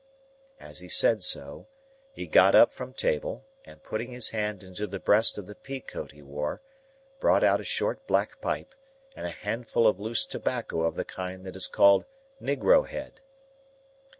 As he said so, he got up from table, and putting his hand into the breast of the pea coat he wore, brought out a short black pipe, and a handful of loose tobacco of the kind that is called Negro head.